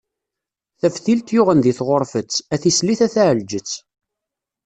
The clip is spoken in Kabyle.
Taftilt yuɣen di tɣurfet, a tislit a taɛelǧet.